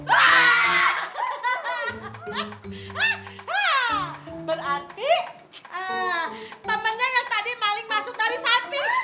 berarti temennya yang tadi maling masuk dari samping iya kan